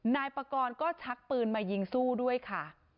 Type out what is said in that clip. นายปากรก็ชักปืนมายิงสู้ด้วยค่ะ